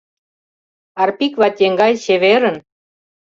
Арпик вате еҥгай, чеверын!